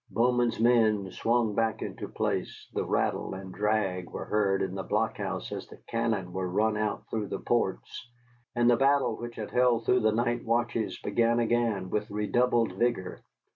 Bowman's men swung back into place, the rattle and drag were heard in the blockhouse as the cannon were run out through the ports, and the battle which had held through the night watches began again with redoubled vigor.